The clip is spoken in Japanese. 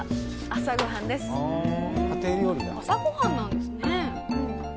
朝ごはんなんですね。